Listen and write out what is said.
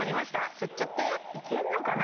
吸っちゃっていけんのかな